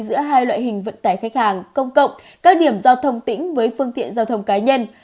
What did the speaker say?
giữa hai loại hình vận tải khách hàng công cộng các điểm giao thông tỉnh với phương tiện giao thông cá nhân